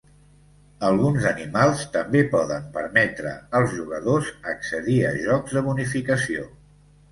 Alguns animals també poden permetre als jugadors accedir a jocs de bonificació.